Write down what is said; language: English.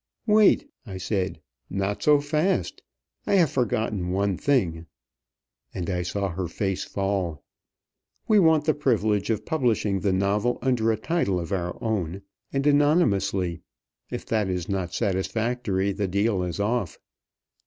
"Wait," I said, "not so fast. I have forgotten one thing," and I saw her face fall. "We want the privilege of publishing the novel under a title of our own, and anonymously. If that is not satisfactory, the deal is off."